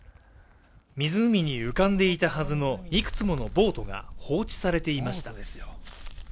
湖に浮かんでいたはずのいくつものボートが放置されていました